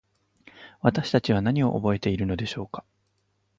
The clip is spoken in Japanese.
私たちは何を覚えているのでしょうか。